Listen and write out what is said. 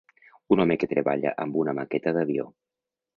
Un home que treballa amb una maqueta d'avió.